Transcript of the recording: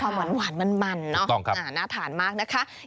ก็จะมีความหวานมันเนอะน่าทานมากนะคะ